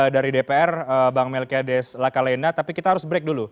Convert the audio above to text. dari dpr bank melkeades la calena tapi kita harus break dulu